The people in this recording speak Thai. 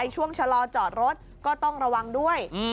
ช่วงชะลอจอดรถก็ต้องระวังด้วย